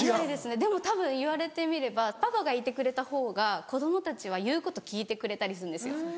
でもたぶん言われてみればパパがいてくれたほうが子供たちは言うこと聞いてくれたりするんですよ。